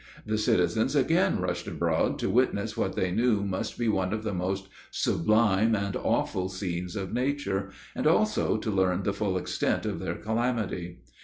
The citizens again rushed abroad to witness what they knew must be one of the most sublime and awful scenes of nature, and also to learn the full extent of their calamity.